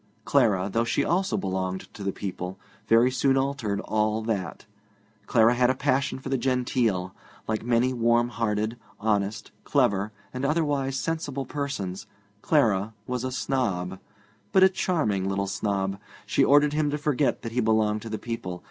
Clara, though she also belonged to the people, very soon altered all that. Clara had a passion for the genteel. Like many warm hearted, honest, clever, and otherwise sensible persons, Clara was a snob, but a charming little snob. She ordered him to forget that he belonged to the people.